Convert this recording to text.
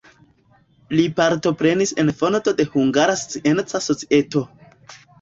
Li partoprenis en fondo de Hungara Scienca Societo.